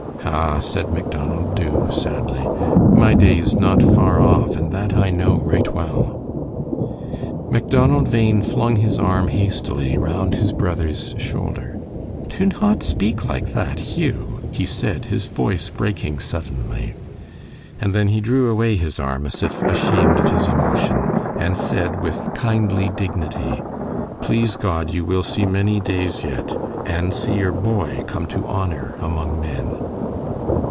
"Ah," said Macdonald Dubh, sadly, "my day is not far off, and that I know right well." Macdonald Bhain flung his arm hastily round his brother's shoulder. "Do not speak like that, Hugh," he said, his voice breaking suddenly. And then he drew away his arm as if ashamed of his emotion, and said, with kindly dignity, "Please God, you will see many days yet, and see your boy come to honor among men."